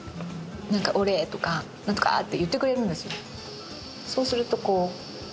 なんか「オレ！」とか「なんとか！」って言ってくれるんですよ。